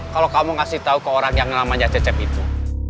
kalau kamu ngasih tau ke orang yang namanya jaceb itu